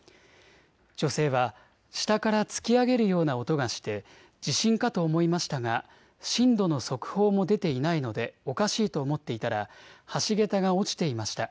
女性は下から突き上げるような音がして地震かと思いましたが震度の速報も出ていないのでおかしいと思っていたら橋桁が落ちていました。